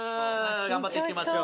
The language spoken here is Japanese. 頑張っていきましょう。